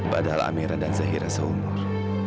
padahal amira dan zahira seumur